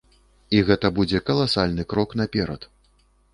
І гэта будзе каласальны крок наперад.